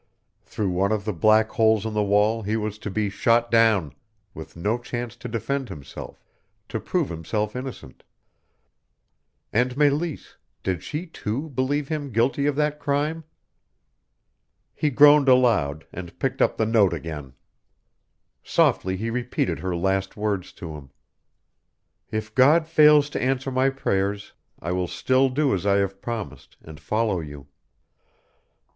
Through one of the black holes in the wall he was to be shot down, with no chance to defend himself, to prove himself innocent. And Meleese did she, too, believe him guilty of that crime? He groaned aloud, and picked up the note again. Softly he repeated her last words to him: "If God fails to answer my prayers I will still do as I have promised, and follow you."